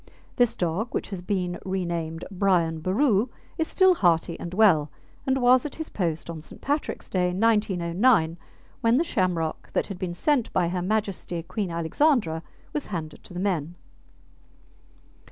This dog, which has been renamed Brian Boru, is still hearty and well, and was at his post on St. Patrick's Day, 1909, when the shamrock that had been sent by Her Majesty Queen Alexandra was handed to the men.